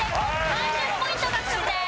３０ポイント獲得です。